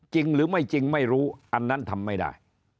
จริงหรือไม่จริงไม่รู้อันนั้นทำไม่ได้